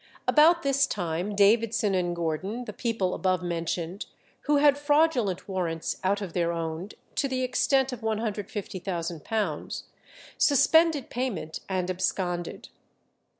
About this time Davidson and Gordon, the people above mentioned, who had fraudulent warrants out of their own to the extent of £150,000, suspended payment and absconded.